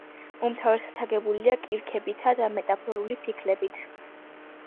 უმთავრესად აგებულია კირქვებითა და მეტამორფული ფიქლებით.